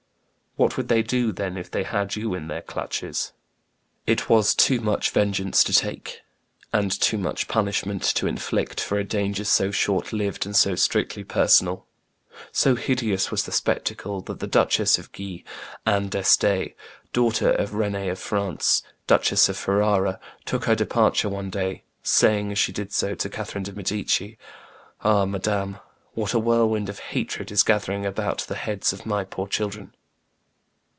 What would they do, then, if they had you in their clutches?'" It was too much vengeance to take and too much punishment to inflict for a danger so short lived and so strictly personal. So hideous was the spectacle that the Duchess of Guise, Anne d'Este, daughter of Renee of France, Duchess of Ferrara, took her departure one day, saying, as she did so, to Catherine de' Medici, "Ah! madame, what a whirlwind of hatred is gathering about the heads of my poor children!"